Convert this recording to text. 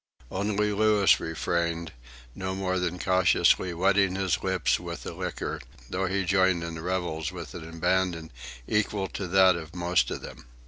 Only Louis refrained, no more than cautiously wetting his lips with the liquor, though he joined in the revels with an abandon equal to that of most of them.